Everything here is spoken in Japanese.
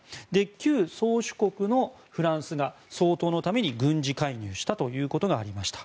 旧宗主国のフランスが掃討のために軍事介入したということがありました。